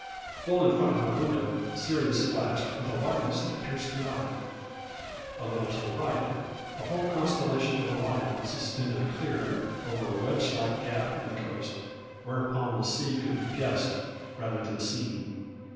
Full in front of my window Sirius flashed with a whiteness that pierced the eye. A little to the right, the whole constellation of Orion was suspended clear over a wedge like gap in the coast, wherein the sea could be guessed rather than seen.